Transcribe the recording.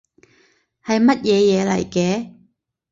係乜嘢嘢嚟嘅